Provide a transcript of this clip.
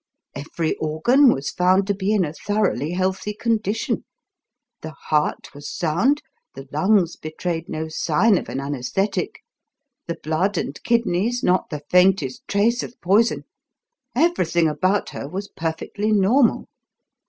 Every organ was found to be in a thoroughly healthy condition. The heart was sound, the lungs betrayed no sign of an anesthetic, the blood and kidneys not the faintest trace of poison everything about her was perfectly normal.